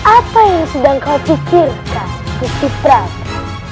apa yang sedang kau pikirkan gusti prabu